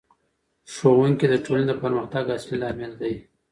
ښوونکی د ټولنې د پرمختګ اصلي لامل دی.